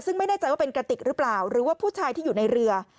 ซึ่งไม่แน่ใจว่าเป็นกระติกหรือเปล่าหรือว่าผู้ชายที่อยู่ในเรือ